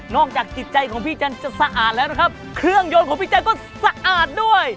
อกจากจิตใจของพี่จันทร์จะสะอาดแล้วนะครับเครื่องยนต์ของพี่จันทร์ก็สะอาดด้วย